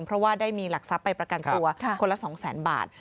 เพราะว่าได้มีหลักทรัพย์ไปประกันตัวคนละ๒๐๐๐๐บาท